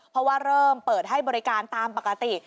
เพราะว่าเริ่มเปิดให้บริการตามปกติ